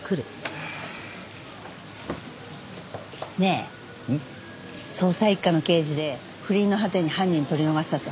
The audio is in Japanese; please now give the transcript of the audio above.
ねえ捜査一課の刑事で不倫の果てに犯人取り逃したって本当？